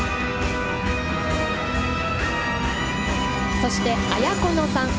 そしてアヤコノさん。